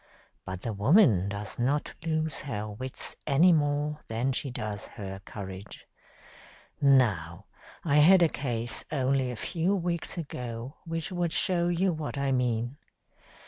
But the woman does not lose her wits any more than she does her courage. Now, I had a case only a few weeks ago which would show you what I mean.